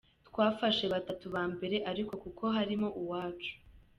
Twafashe batatu ba mbere ariko kuko harimo uwacu.